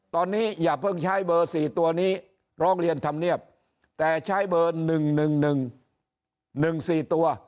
ตอนนี้อย่าเพิ่งใช้เบอร์๔ตัวนี้ร้องเรียนธรรมเนียบแต่ใช้เบอร์๑๑๑๑๑๔ตัว